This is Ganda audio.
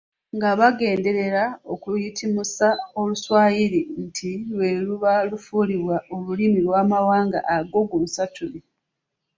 nga bagenderera okuyitimusa Oluswayiri nti lwe luba lufuulibwa olulimi lw’Amawanga ago gonsatule.